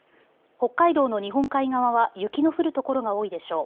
北海道の日本海側は雪の降る所が多いでしょう。